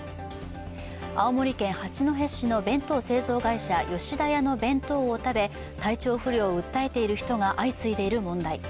青森県八戸市の弁当製造会社、吉田屋の弁当を食べ体調不良を訴えている人が相次いでいる問題。